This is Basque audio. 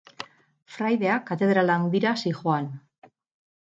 Fraidea katedral handira zihoan.